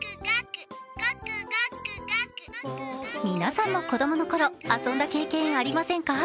皆さんも子供のころ、遊んだ経験ありませんか？